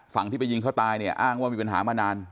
ฝั่งที่ไปยิงเขาตายเนี่ยอ้างว่ามีปัญหามานาน